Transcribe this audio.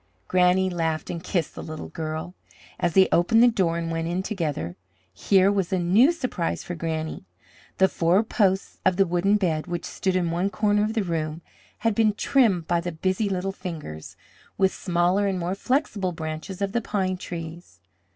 Granny laughed and kissed the little girl, as they opened the door and went in together. Here was a new surprise for Granny. The four posts of the wooden bed, which stood in one corner of the room, had been trimmed by the busy little fingers, with smaller and more flexible branches of the pine trees.